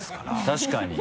確かに。